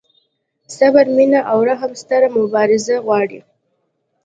صبر، مینه او رحم ستره مبارزه غواړي.